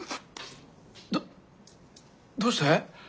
どどうして？